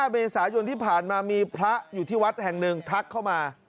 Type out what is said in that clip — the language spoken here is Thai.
เมษายนที่ผ่านมามีพระอยู่ที่วัดแห่งหนึ่งทักเข้ามา